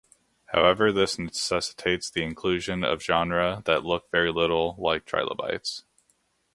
However this necessitates the inclusion of genera that look very little like trilobites.